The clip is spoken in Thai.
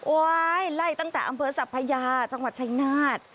ไล่ตั้งแต่อำเภอสัพพยาจังหวัดชายนาฏ